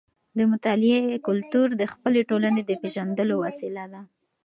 د مطالعې کلتور د خپلې ټولنې د پیژندلو وسیله ده.